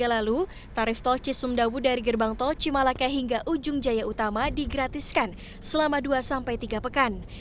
tiga lalu tarif tol cisumdawu dari gerbang tol cimalaka hingga ujung jaya utama digratiskan selama dua sampai tiga pekan